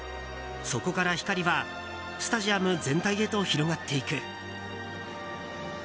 そこから光はスタジアム全体へと広がっていく。